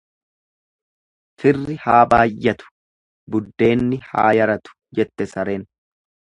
Firri haa baayyatu, buddeenni haa yaratu jette sareen.